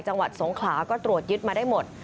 จังหวัดสงขลาก็ตรวจยึดมาได้หมด